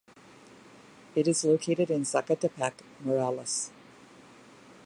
It is located in Zacatepec, Morelos.